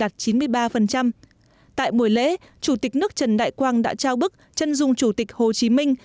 chín mươi ba tại buổi lễ chủ tịch nước trần đại quang đã trao bức chân dung chủ tịch hồ chí minh